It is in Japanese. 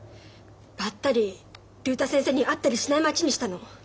ばったり竜太先生に会ったりしない町にしたの。